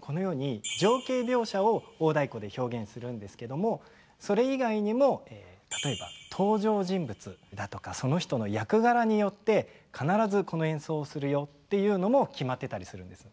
このように情景描写を大太鼓で表現するんですけどもそれ以外にも例えば登場人物だとかその人の役柄によって必ずこの演奏をするよっていうのも決まってたりするんです。